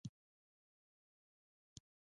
ځینې سیندونه د ماهیانو لپاره مهم دي.